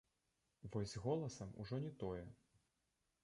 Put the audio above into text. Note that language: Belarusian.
Вось з голасам ужо не тое.